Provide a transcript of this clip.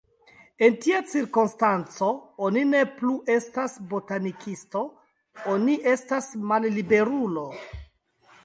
En tia cirkonstanco, oni ne plu estas botanikisto, oni estas malliberulo.